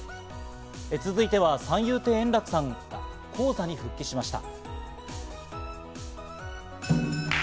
続いては三遊亭円楽さん、高座に復帰しました。